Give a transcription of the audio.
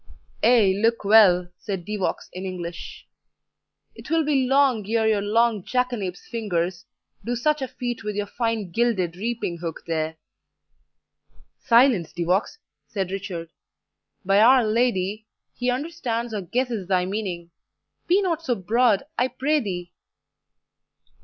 "Ay, look well," said De Vaux in English, "it will be long ere your long jackanape's fingers do such a feat with your fine gilded reaping hook there." "Silence, De Vaux," said Richard; "by Our Lady, he understands or guesses thy meaning be not so broad, I pray thee."